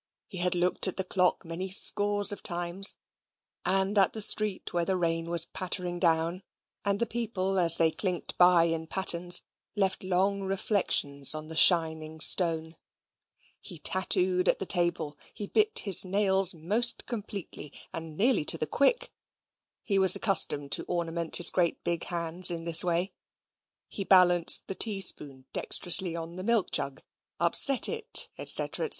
He had looked at the clock many scores of times; and at the street, where the rain was pattering down, and the people as they clinked by in pattens, left long reflections on the shining stone: he tattooed at the table: he bit his nails most completely, and nearly to the quick (he was accustomed to ornament his great big hands in this way): he balanced the tea spoon dexterously on the milk jug: upset it, &c., &c.